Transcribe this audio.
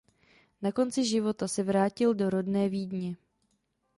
Na konci života se vrátil do rodné Vídně.